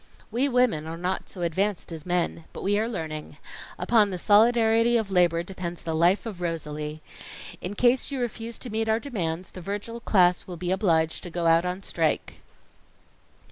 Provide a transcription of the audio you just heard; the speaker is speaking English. We women are not so advanced as men. But we are learning. Upon the solidarity of labor depends the life of Rosalie. In case you refuse to meet our demands, the Virgil class will be obliged to go out on strike."